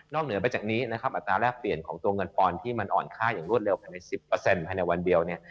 เหนือไปจากนี้นะครับอัตราแรกเปลี่ยนของตัวเงินปอนด์ที่มันอ่อนค่าอย่างรวดเร็วภายใน๑๐ภายในวันเดียวเนี่ย